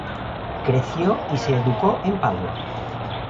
Creció y se educó en Padua.